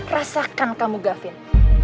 rasakan kamu gavin